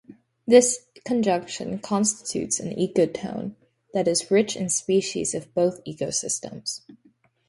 This conjunction constitutes an ecotone, that is rich in species of both ecosystems.